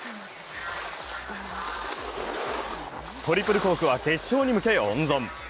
トリプルコークは決勝に向け温存。